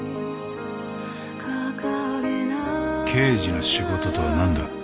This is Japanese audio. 刑事の仕事とは何だ？